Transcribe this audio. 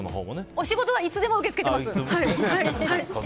お仕事はいつでも受け付けています！